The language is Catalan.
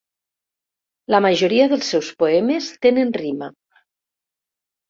La majoria dels seus poemes tenen rima.